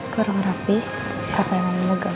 kurang rapih apa yang mau dilegak